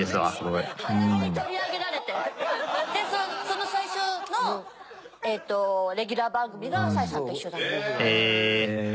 その最初のレギュラー番組が朝井さんと一緒だった。